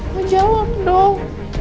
lo jawab dong